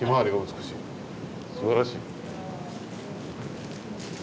すばらしい。